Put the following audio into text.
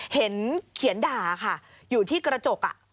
เห็นเขียนด่าค่ะอยู่ที่กระจก